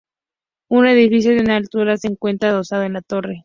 Un edificio de una altura se encuentra adosado a la torre.